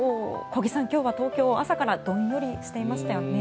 小木さん、今日は東京朝からどんよりしてましたよね。